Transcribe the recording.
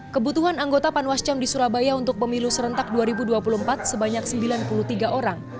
kebutuhan anggota panwascam di surabaya untuk pemilu serentak dua ribu dua puluh empat sebanyak sembilan puluh tiga orang